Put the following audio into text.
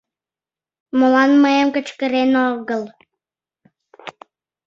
Молан мыйым кычкырен огыл?